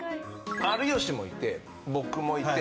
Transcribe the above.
有吉もいて、僕もいて。